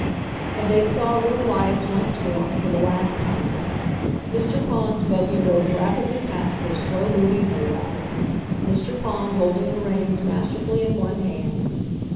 And they saw little 'Lias once more, for the last time. Mr. Pond's buggy drove rapidly past their slow moving hay wagon, Mr. Pond holding the reins masterfully in one hand.